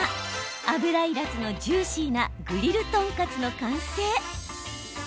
油いらずのジューシーなグリル豚カツの完成。